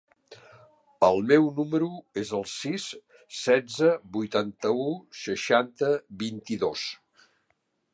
El meu número es el sis, setze, vuitanta-u, seixanta, vint-i-dos.